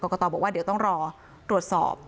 กตบอกว่าเดี๋ยวต้องรอตรวจสอบ